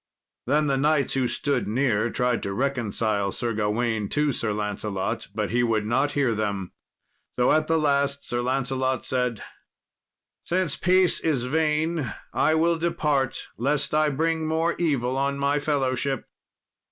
Then the knights who stood near tried to reconcile Sir Gawain to Sir Lancelot, but he would not hear them. So, at the last, Sir Lancelot said, "Since peace is vain, I will depart, lest I bring more evil on my fellowship."